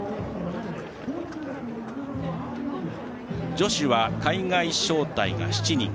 女子は、海外招待が７人。